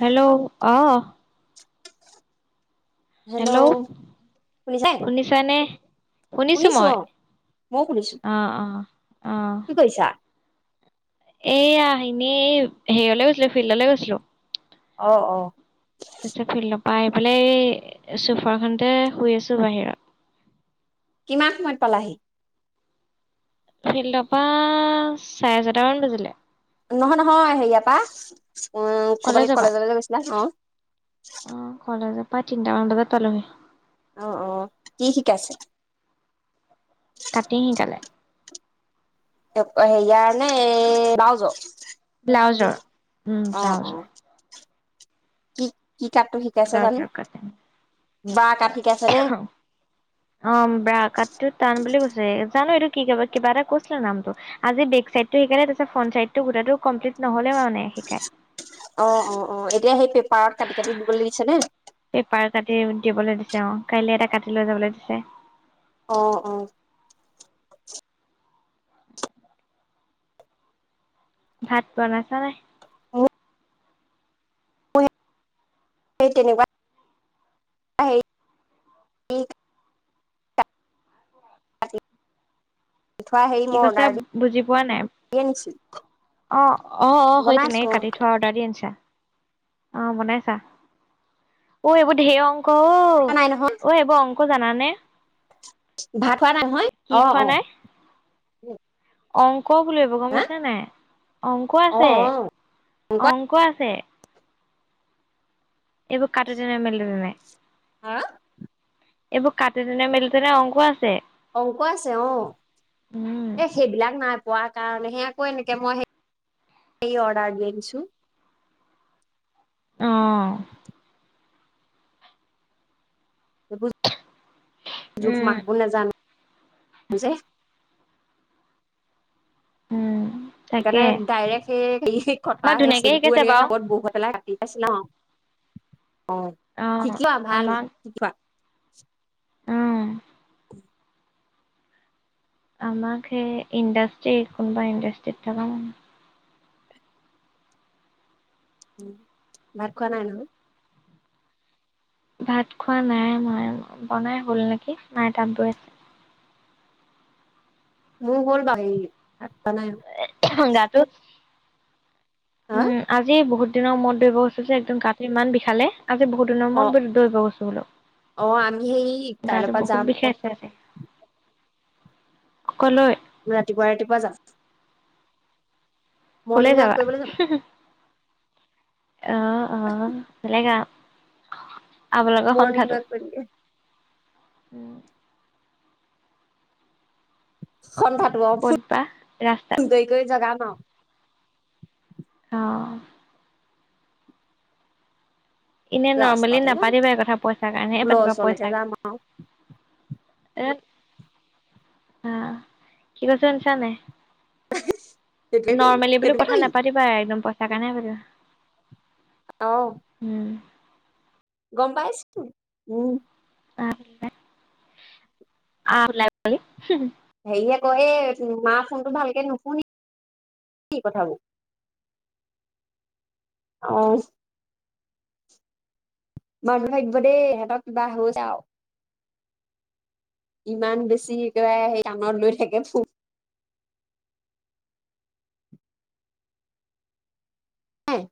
Hello অ। Hello শুনিছা শুনিছে নে? শুনিছো মই। ময়ো শুনিছো অ, অ। অ কি কৈছা? এইয়া এনে এই হেৰিলে গৈছিলো, ফিল্ডলে গৈছিলো। অ, অ। তাৰপিছত ফিল্ডৰ পৰা আহি পেলাই এই চুফাৰখনতে শুই আছো বাহিৰত। কিমান সময়ত পালাহি? ফিল্ডৰ পৰা চাৰে ছটা মান বাজিলে। নহয়, নহয়। হেৰিয়াপা উ ক'ৰবালে কলেজৰ পৰা কলেজলৈ গৈছিলা? অ। পায় তিনিটামান বজাত পালোহি। অ, অ। কি শিকাইছে? কাটিং শিকালে। হেৰিয়াৰ নে ব্লাউজৰ? ব্লাউজৰ। উম ব্লাউজৰ। উম। ব্লাউজৰ বা কাট শিকাইছে নে কাৰণে। অ ব্ৰা কাটটো টান বুলি কৈছে, জানো এইটো কিবা এটা কৈছিলে নামটো। আজি বেক চাইটটো শিকালে। তাৰপিছত ফ্ৰণ্ট চাইটটো গোটেইটো কম্লিত নহল। অ, অ, অ। এতিয়া সেই পাৰত কাটি কাটি দিবলৈ দিছে নে? পেপাৰ কাটি দিবলৈ দিছে অ। কাইলৈ এটা কাটি লৈ যাবলৈ দিছে। অ, অ। ভাত বনাইছা নাই? মোৰ তেনেকুৱা [unintelligible] কাটি থোৱা হেৰি কি মই কৈছা অৰ্ডাৰ বুজি পোৱা নাই। দিয়ে নিছো অ, অ। সেই তেনে বনাইছো কাটি থোৱা অৰ্ডাৰ দি আনিছা? অ বনাইছা? অ এইবোৰ ঢেয়ং ক ঔ। খোৱা নাই নহয়, অ এইবোৰ অংক অঁ জানানে? ভাত খোৱা নাই নহয় কি অঁ অঁ উম অঁ! ক' বোলিব গমছে নাই অংক অ আছে অ অংক আছে। এইবোৰ কাট ন মেল দি নে হাঁ এইবোৰ কাটিতেনে মেলিতেনে অংক আছে অংক আছে অ অ', এ সেইবিলাক নাই পোৱা কাৰণে সেয়া কোৱা নেকি মই সেৰৰি অৰ্ডাৰ দিছো উম, জক ম ব ন জান উম তাকে। সেইকাৰণে ডাইৰেক্ট সেই হে কটা আমাক সেই ধুনীয়াকে চবোৰ শিকাইছে এনেকে বাৰু কাপত বহত পেলাই কাটি পাইছিলা অঁ অ', শিকোৱা ভাল শিকোৱা [unintelligible] অঁ আমাক ইণ্ডাষ্ট্ৰি কোনোবা ইণ্ডাষ্ট্ৰি থকা মান উম ভাত খোৱা নাই নহয়? ভাত খোৱা নাই মই বনাই হল নেকি নাই তাত বৈ আছে। মোৰ হ'ল বা হেৰি খোৱা নাই গাটো। হা উম আজি বহুত। এ দিনৰ মদ ধৰিব গৈ হৈছে যে একদম গাটোত ইমান বিষালে আজি বহুত দিনৰ অ মূৰত দৰিব গৈছো বোলো অ আমি সেই কাইলৈৰ গাটো পৰা যাম বহুত বিষছে আছে।। কলৈ। ৰাতিপুৱা ৰাতিপুৱা যাম। ক'লৈ মৰ্ণিং ৱাক যাবা? কৰিবলৈ যাম। অ অ বেলেগ অ। আপোনালোকৰ মৰ্ণিং সন্থাটো। ৱাক কৰিম উম সন্ধাটো অ ক'ত ফ বা ৰাস্তাত কৰি কৰি জগাম অঁ অঁ এনে নৰ্মেলি ৰাস্তাতে যাম নাপাতিবা এই কথা পইচাঁৰ কাৰণেহে পুলৰ পাতিবা ওচৰলৈকে যাম আৰু পইচাঁৰ এ আঁহ কি কৈছে শুনিছানে নাই। সেইটোৱে কৰিম নৰ্মেলি বুলি সেইটোৱে কথা কৰিম নাপাতিবা একদম প সেইকাৰণে বাৰু অহ, উম, গম পাইছো উম, অ পিল [unintelligible] ল [unintelligible] হেৰিহে কইয়ে আছিল মাৰ ফোনটো ভালকে নুশুনি [unintelligible] কি কথাবোৰ। অহ, মানুহ থাকিব দেই হঠাৎ কিবা হৈ যায়। ইমান বেছি কয় সেই কানত লৈ থাকে ফোন হয়।